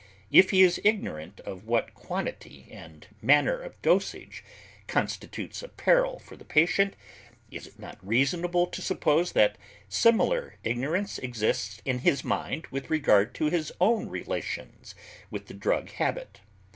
If he is ignorant of what quantity and manner of dosage constitutes a peril for the patient, is it not reasonable to suppose that similar ignorance exists in his mind with regard to his own relations with the drug habit?